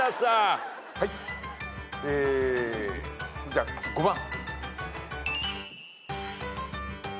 じゃあ５番。